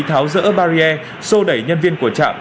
tháo rỡ barrier xô đẩy nhân viên của trạm